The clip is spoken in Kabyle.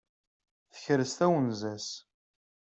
Tekres twenza-s.